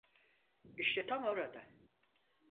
İşte tam orada.